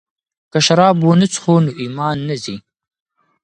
که شراب ونه څښو نو ایمان نه ځي.